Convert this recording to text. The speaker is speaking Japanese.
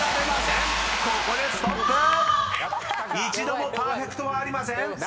一度もパーフェクトはありません］